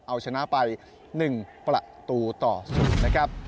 เอาชนะไป๑ประตูต่อ๐นะครับ